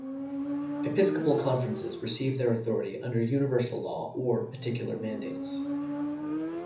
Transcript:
Episcopal conferences receive their authority under universal law or particular mandates.